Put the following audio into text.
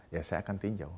ya saya akan tinjau